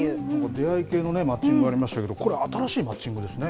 出会い系のマッチングありましたけれども、これ、新しいマッチングですね。